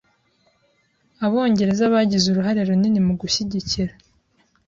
Abongereza bagize uruhare runini mu gushyigikira